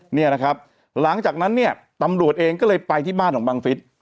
เนี่ยนะครับหลังจากนั้นเนี่ยตำรวจเองก็เลยไปที่บ้านของบังฟิศ